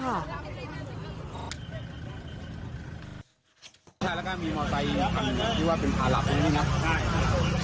ใช่แล้วก็มีมอเตอร์ไซต์ที่คือว่าเป็นผ้าหลับอยู่นี่ครับ